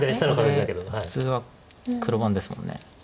ここで普通は黒番ですもんね。